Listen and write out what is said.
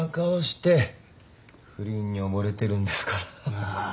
ああ。